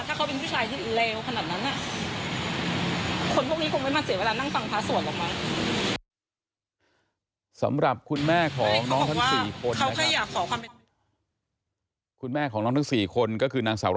ถ้าเขาเป็นผู้ชายที่เลวขนาดนั้น